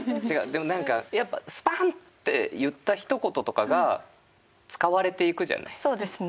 でもなんかやっぱスパンッて言ったひと言とかが使われていくじゃないですか。